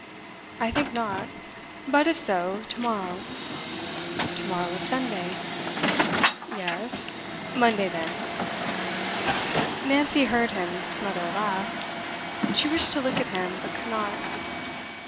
'I think not. But, if so, to morrow.' 'To morrow is Sunday.' 'Yes. Monday, then.' Nancy heard him smother a laugh. She wished to look at him, but could not.